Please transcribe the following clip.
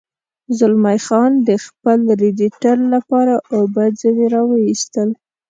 زلمی خان د خپل رېډیټر لپاره اوبه ځنې را ویستل.